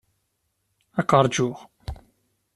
Ad k-ṛjuɣ.